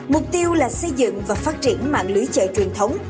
mục tiêu là xây dựng và phát triển mạng lưới chợ truyền thống